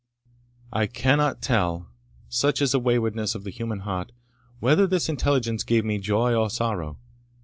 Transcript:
I cannot tell, such is the waywardness of the human heart, whether this intelligence gave me joy or sorrow.